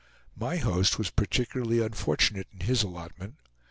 My host was particularly unfortunate in his allotment.